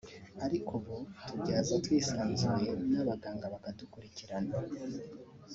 ariko ubu tubyara twisanzuye n’abaganga bakadukurikirana